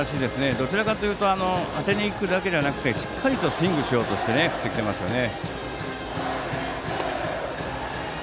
どちらかというと当てにいくだけでなくてしっかりとスイングしようとして振ってきていますよね。